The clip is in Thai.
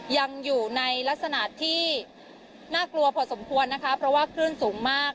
ยังอยู่ในลักษณะที่น่ากลัวพอสมควรนะคะเพราะว่าคลื่นสูงมาก